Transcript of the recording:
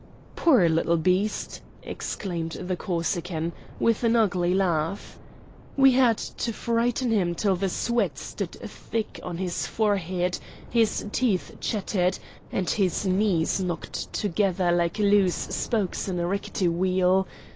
"Poor little beast!" exclaimed the Corsican, with an ugly laugh. "We had to frighten him till the sweat stood thick on his forehead, his teeth chattered, and his knees knocked together like loose spokes in a rickety wheel.